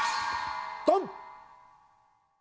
ドン！